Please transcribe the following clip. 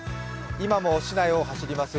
今も市内を走ります